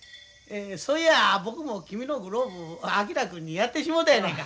そういや僕も君のグローブ昭君にやってしもうたやないか。